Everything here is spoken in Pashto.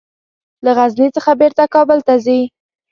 له غزني څخه بیرته کابل ته ځي.